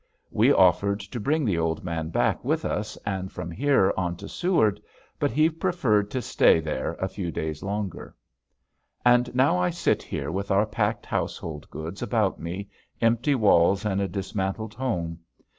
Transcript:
We offered to bring the old man back with us and from here on to Seward but he preferred to stay there a few days longer. And now I sit here with our packed household goods about me, empty walls and a dismantled home.